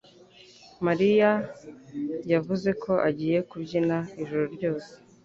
Mariya yavuze ko agiye kubyina ijoro ryose